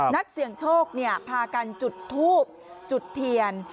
นักเสี่ยงโชคพากันจุดทูบจุดเทียน